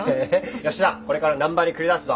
吉田これから難波に繰り出すぞ。